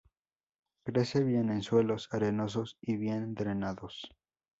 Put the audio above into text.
Crece bien en suelos arenosos y bien drenados.